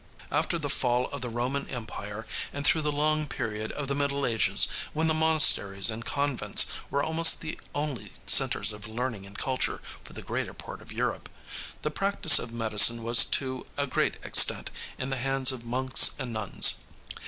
After the fall of the Roman empire and through the long period of the Middle Ages, when the monasteries and convents were almost the only centers of learning and culture for the greater part of Europe, the practice of medicine was to a great extent in the hands of monks and nuns.